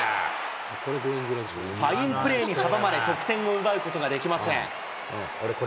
ファインプレーに阻まれ、得点を奪うことができません。